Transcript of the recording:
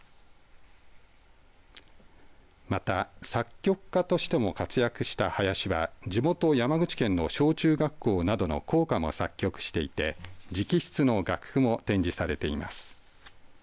また作曲家としても活躍した林は地元山口県の小中学校などの校歌も作曲していて直筆の楽譜も展示されています。